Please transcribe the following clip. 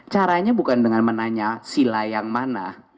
caranya bukan dengan menanya sila yang mana